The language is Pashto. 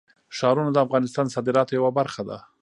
ښارونه د افغانستان د صادراتو یوه برخه ده.